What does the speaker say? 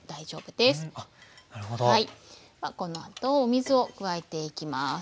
このあとお水を加えていきます。